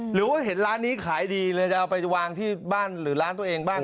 หรือว่าเห็นร้านนี้ขายดีเลยจะเอาไปวางที่บ้านหรือร้านตัวเองบ้าง